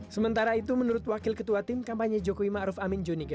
sementara itu menurut wakil ketua tim kampanye jokowi ma'ruf amin jounike